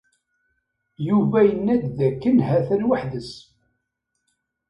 Yuba yenna-d dakken ha-t-an weḥd-s.